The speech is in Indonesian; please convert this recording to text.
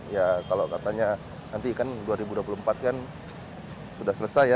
ya kalau katanya nanti kan dua ribu dua puluh empat kan sudah selesai ya